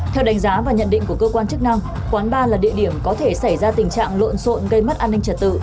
theo đánh giá và nhận định của cơ quan chức năng quán bar là địa điểm có thể xảy ra tình trạng lộn xộn gây mất an ninh trật tự